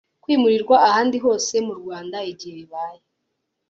Kwimurirwa ahandi hose mu rwanda igihe bibaye